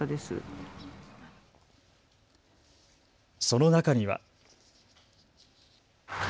その中には。